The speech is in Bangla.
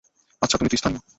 আচ্ছা, তুমি তো স্থানীয়।